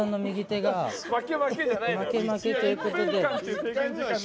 巻け巻けということで。